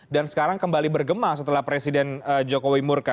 dan sekarang kembali bergema setelah presiden jokowi murka